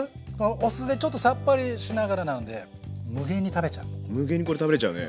お酢でちょっとさっぱりしながらなんで無限にこれ食べれちゃうね。